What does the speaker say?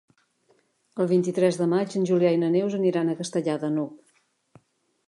El vint-i-tres de maig en Julià i na Neus aniran a Castellar de n'Hug.